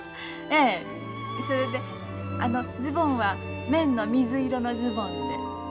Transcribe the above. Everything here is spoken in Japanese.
ええそれであのズボンは綿の水色のズボンで。